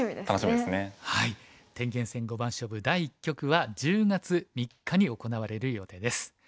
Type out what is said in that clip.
天元戦五番勝負第１局は１０月３日に行われる予定です。